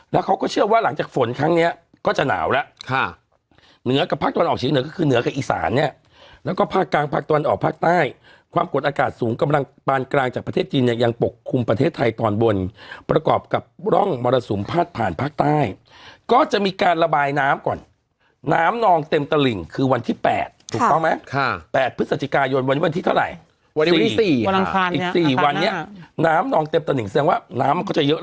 แล้วเขาก็เชื่อว่าหลังจากฝนครั้งเนี้ยก็จะหนาวแล้วค่ะเหนือกับภาคตัวนออกชีวิตเหนือก็คือเหนือกับอีสานเนี้ยแล้วก็ภาคกลางภาคตัวนออกภาคใต้ความกดอากาศสูงกำลังปานกลางจากประเทศจีนเนี้ยยังปกคลุมประเทศไทยตอนบนประกอบกับร่องมรสุมภาคผ่านภาคใต้ก็จะมีการระบายน้ำก่อนน้ํ